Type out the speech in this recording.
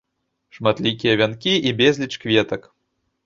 Шматлікія вянкі і безліч кветак.